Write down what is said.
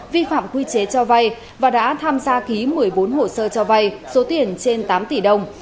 vi phạm quy chế cho vay và đã tham gia ký một mươi bốn hồ sơ cho vay số tiền trên tám tỷ đồng